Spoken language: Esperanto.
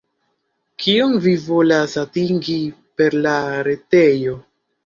Kion vi volas atingi per la retejo?